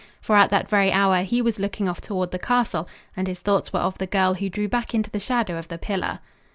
For at that very hour he was looking off toward the castle, and his thoughts were of the girl who drew back into the shadow of the pillar.